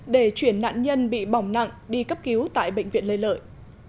để chuyển nạn nhân bị bỏng nặng đi cấp cứu tại bệnh viện lê lợi